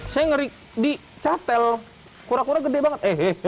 saya ngerik di catel kura kura gede banget